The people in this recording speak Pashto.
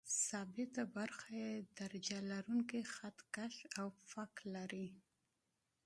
ثابته برخه یې درجه لرونکی خط کش او فک لري.